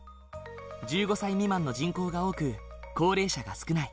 １５歳未満の人口が多く高齢者が少ない。